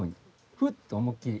ふっと思いっきり。